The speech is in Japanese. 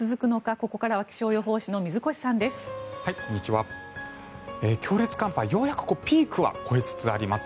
ここからは気象予報士の水越さんです。